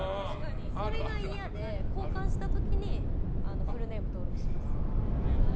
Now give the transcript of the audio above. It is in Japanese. それが嫌で交換した時にフルネーム登録します。